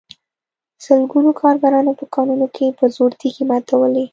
سلګونو کارګرانو په کانونو کې په زور تېږې ماتولې